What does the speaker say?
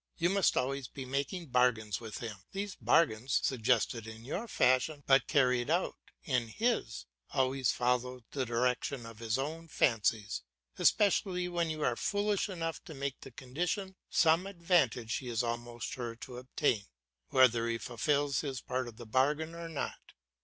You must always be making bargains with him. These bargains, suggested in your fashion, but carried out in his, always follow the direction of his own fancies, especially when you are foolish enough to make the condition some advantage he is almost sure to obtain, whether he fulfils his part of the bargain or not.